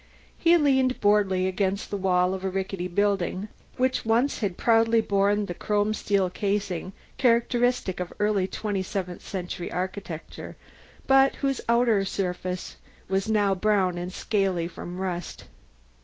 He leaned boredly against the wall of a rickety building which once had proudly borne the chrome steel casing characteristic of early 27th Century architecture, but whose outer surface was now brown and scaly from rust.